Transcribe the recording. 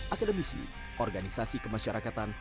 akademisi organisasi kemasyarakatan